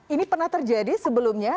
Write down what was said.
ini pernah terjadi sebelumnya